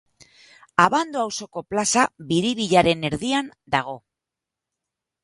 Abando auzoko Plaza Biribilaren erdian dago.